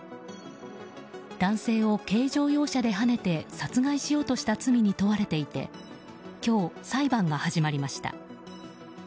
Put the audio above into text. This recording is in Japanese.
男性を軽乗用車ではねて殺害しようとした罪に問われていて今日、裁判が始まりました。